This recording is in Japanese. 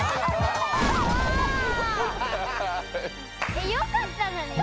えっよかったのに。